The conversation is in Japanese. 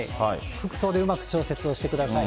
服装でうまく調節をしてください。